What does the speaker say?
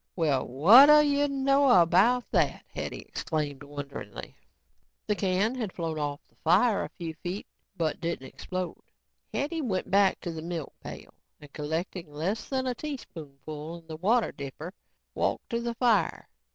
"Well whadda you know about that?" Hetty exclaimed wonderingly. The can had flown off the fire a few feet but didn't explode. Hetty went back to the milk pail and collecting less than a teaspoon full in the water dipper, walked to the fire.